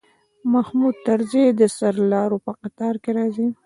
محمود طرزی د سرلارو په قطار کې راځي.